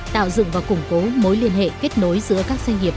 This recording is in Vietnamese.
tạo dựng và củng cố mối liên hệ kết nối giữa các doanh nghiệp